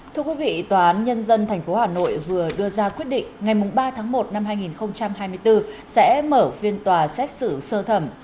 thưa quý vị tòa án nhân dân tp hà nội vừa đưa ra quyết định ngày ba tháng một năm hai nghìn hai mươi bốn sẽ mở phiên tòa xét xử sơ thẩm